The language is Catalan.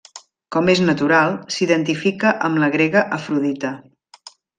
Com és natural, s'identifica amb la grega Afrodita.